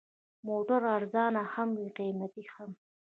موټر ارزانه هم وي، قیمتي هم.